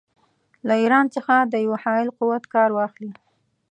له ایران څخه د یوه حایل قوت کار واخلي.